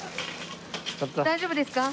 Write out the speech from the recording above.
大丈夫ですか？